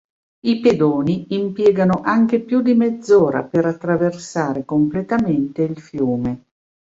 I pedoni impiegano anche più di mezzora per attraversare completamente il fiume.